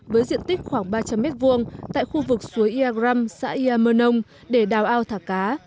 với diện tích khoảng ba trăm linh mét vuông tại khu vực suối ia gram xã ia mơ nông để đào ao thả cá